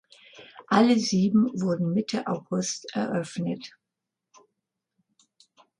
Alle sieben wurden Mitte August eröffnet.